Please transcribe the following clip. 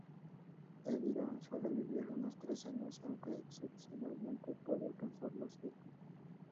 El lirón suele vivir unos tres años, aunque excepcionalmente puede alcanzar los siete.